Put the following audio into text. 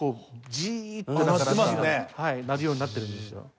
ジーッて鳴るようになってるんですよ。